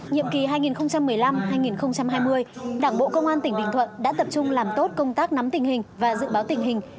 nhiệm kỳ hai nghìn một mươi năm hai nghìn hai mươi đảng bộ công an tỉnh bình thuận đã tập trung làm tốt công tác nắm tình hình và dự báo tình hình